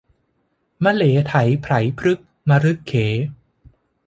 มะเหลไถไพรพรึกมะรึกเข